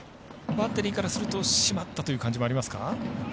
バッターからしたらしまったという感じもありますか。